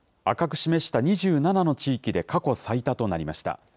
赤く示した２７の地域で、過去最多となりました。